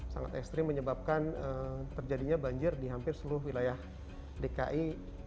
sangat ekstrim menyebabkan terjadinya banjir di hampir seluruh wilayah dki